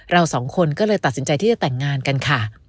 เราสองคนก็เลยตัดสินใจที่จะแต่งงานกันค่ะ